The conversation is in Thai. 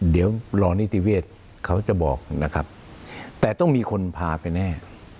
เดี๋ยวรอนิติเวศเขาจะบอกนะครับแต่ต้องมีคนพาไปแน่